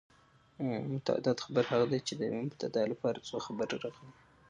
متعدد خبر هغه دئ، چي د یوې مبتداء له پاره څو خبره راغلي يي.